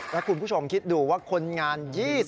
แล้วคุณผู้ชมคิดดูว่าคนงาน